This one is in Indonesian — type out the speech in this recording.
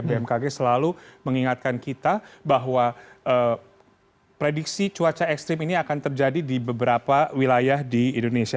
bmkg selalu mengingatkan kita bahwa prediksi cuaca ekstrim ini akan terjadi di beberapa wilayah di indonesia